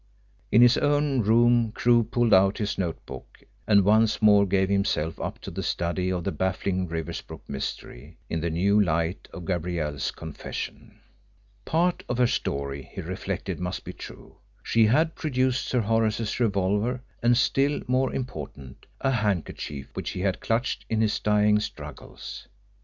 In his own room Crewe pulled out his notebook and once more gave himself up to the study of the baffling Riversbrook mystery, in the new light of Gabrielle's confession. Part of her story, he reflected, must be true. She had produced Sir Horace's revolver, and, still more important, a handkerchief which he had clutched in his dying struggles.